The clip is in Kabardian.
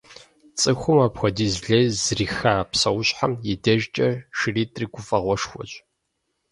ЦӀыхум апхуэдиз лей зриха псэущхьэм и дежкӀэ шыритӏри гуфӏэгъуэшхуэщ.